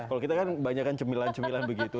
kalau kita kan banyak kan cemilan cemilan begitu